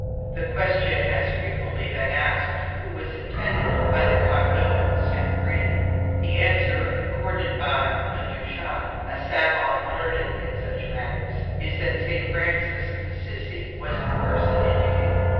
The question has frequently been asked who was intended by the cognomen Saint Gris? The answer accorded by Le Duchat, a savant learned in such matters, is that Saint Francis d'Assise was the person indicated.